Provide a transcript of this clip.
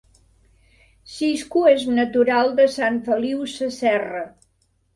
Cisco és natural de Sant Feliu Sasserra